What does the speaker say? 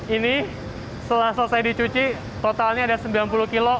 ini setelah selesai dicuci totalnya ada sembilan puluh kg